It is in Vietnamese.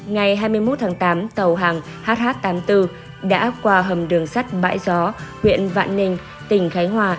ngày hai mươi một tháng tám tàu hàng hh tám mươi bốn đã qua hầm đường sắt bãi gió huyện vạn ninh tỉnh khánh hòa